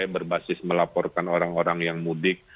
berbasis melaporkan orang orang yang mudik